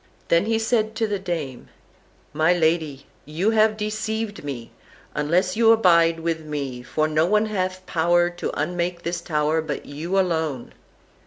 Then said he to the dame: "My lady, you have deceived me, unless you abide with me, for no one hath power to unmake this tower but you alone."